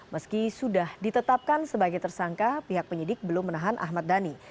meski sudah ditetapkan sebagai tersangka pihak penyidik belum menahan ahmad dhani